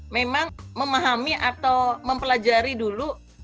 memang memahami atau mempelajari dulu